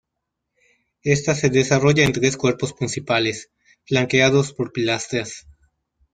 Ésta se desarrolla en tres cuerpos principales flanqueados por pilastras.